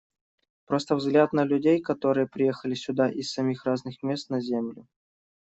Просто взгляд на людей, которые приехали сюда из самых разных мест на земле.